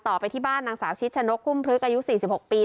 ต่อไปที่บ้านนางสาวชิชะนกคุ้มพฤคอายุสี่สิบหกปี